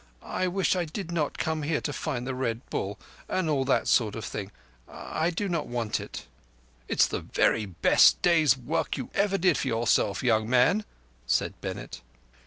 I wish I did not come here to find the Red Bull and all that sort of thing. I do not want it." "It's the very best day's work you ever did for yourself, young man," said Bennett.